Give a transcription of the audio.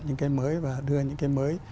những cây mới và đưa những cây mới